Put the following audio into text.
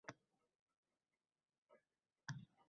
Qatiq yoki qatiq zardobi, oqishoq xo‘rda, go‘ja isitmani tushiradi.